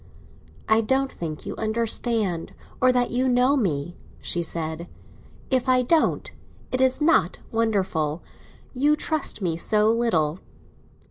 "I don't think you understand—or that you know me," she said. "If I don't, it is not wonderful; you trust me so little."